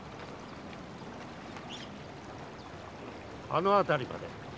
あのあたりまで。